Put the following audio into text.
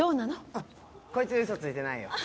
あっこいつウソついてないよ。